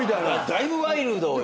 だいぶワイルドよね。